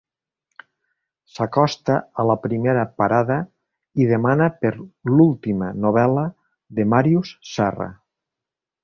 S'acosta a la primera parada i demana per l'última novel·la de Màrius Serra.